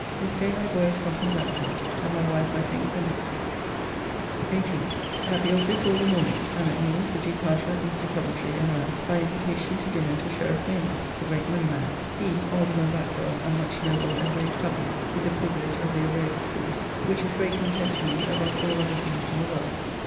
This day my boy is come from Brampton, and my wife I think the next week. 18th. At the office all the morning, and at noon Sir G. Carteret, Mr. Coventry, and I by invitation to dinner to Sheriff Maynell's, the great money man; he, Alderman Backwell, and much noble and brave company, with the privilege of their rare discourse, which is great content to me above all other things in the world.